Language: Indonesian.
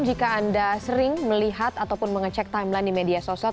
jika anda sering melihat ataupun mengecek timeline di media sosial